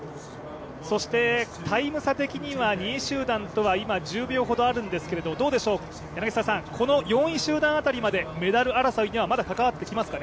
そしてタイム差的には２位集団とは今１０秒ほどあるんですけどこの４位集団辺りまではメダル争いに関わってきますか。